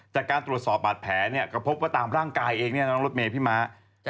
จากการตรวจสอบบาดแผลเนี่ยก็พบว่าตามร่างกายเองเนี่ยน้องรถเมย์พี่ม้า